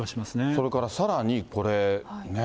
それからさらに、これね。